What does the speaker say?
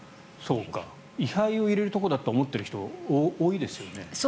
位牌を入れるところだと思っている方、多いですよね。